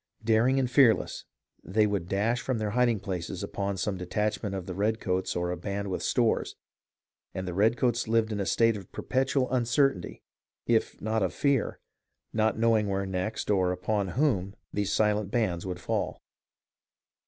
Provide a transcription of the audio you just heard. Daring and fearless, they would dash from their hiding places upon some detachment of the redcoats or a band with stores, and the redcoats lived in a state of perpetual uncertainty if not of fear, not knowing where next, or upon whom, these silent bands would fall.